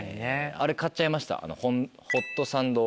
あれ買っちゃいました。